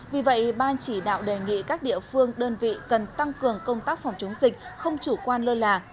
vì vậy ban chỉ đạo đề nghị các địa phương đơn vị cần tăng cường công tác phòng chống dịch không chủ quan lơ là